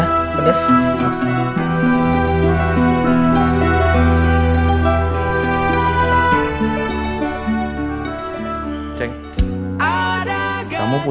nenek kan sayang sekali sama edward